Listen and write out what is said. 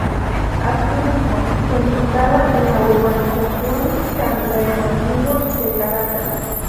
Así mismo, se instala en la urbanización San Bernardino de Caracas.